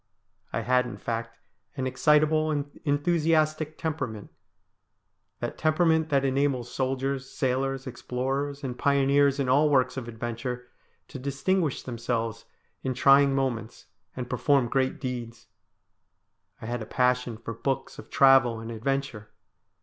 I had, in fact, an excitable and enthusiastic temperament ; that temperament that enables soldiers, sailors, explorers, and pioneers in all works of adventure, to distinguish themselves in trying moments, and perform great deeds. I had a passion for books of travel and adventure.